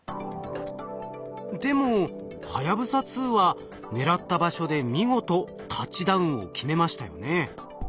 でもはやぶさ２は狙った場所で見事タッチダウンを決めましたよね。